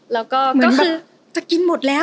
แล้วก็ก็คือมันแบบจะกินหมดแล้ว